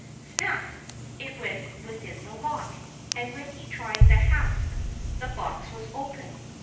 "Snap!" it went within the lock; and when he tried the hasp, the box was open.